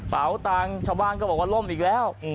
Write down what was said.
ตังค์ชาวบ้านก็บอกว่าล่มอีกแล้ว